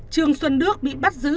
trương xuân đức bị bắt giữ